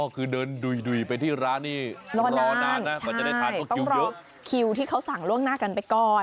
อ๋อคือเดินดุยไปที่ร้านนี่รอนานรอนานใช่ต้องรอคิวที่เขาสั่งล่วงหน้ากันไปก่อน